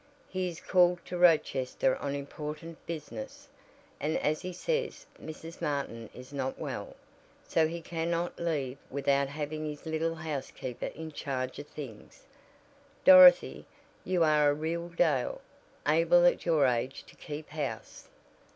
He is called to Rochester on important business, and as he says Mrs. Martin is not well, so he cannot leave without having his little housekeeper in charge of things Dorothy, you are a real Dale, able at your age to keep house."